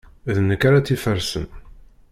D nekk ara tt-ifersen.